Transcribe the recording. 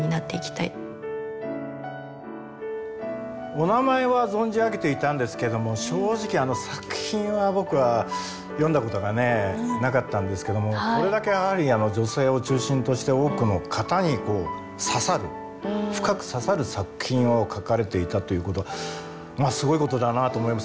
お名前は存じ上げていたんですけども正直作品は僕は読んだことがねなかったんですけどもこれだけやはりあの女性を中心として多くの方に刺さる深く刺さる作品を書かれていたということすごいことだなと思います。